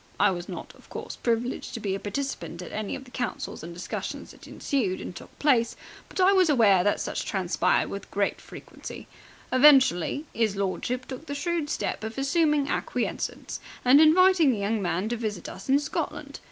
I was not, of course, privileged to be a participant at the many councils and discussions that ensued and took place, but I was aware that such transpired with great frequency. Eventually 'is lordship took the shrewd step of assuming acquiescence and inviting the young man to visit us in Scotland.